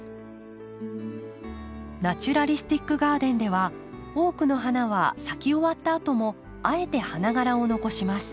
ナチュラリスティック・ガーデンでは多くの花は咲き終わったあともあえて花がらを残します。